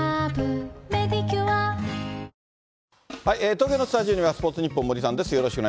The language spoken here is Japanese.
東京のスタジオには、スポーツニッポン、森さんです。